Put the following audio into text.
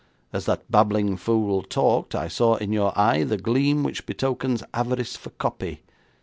As that babbling fool talked, I saw in your eye the gleam which betokens avarice for copy.